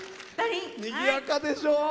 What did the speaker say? にぎやかでしょ。